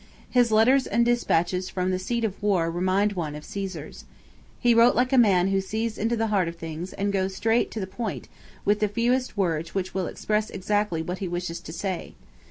His letters and dispatches from the seat of war remind one of Caesar's. He wrote like a man who sees into the heart of things and goes straight to the point with the fewest words which will express exactly what he wishes to say.